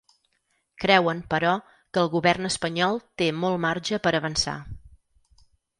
Creuen, però, que el govern espanyol té ‘molt marge per a avançar’.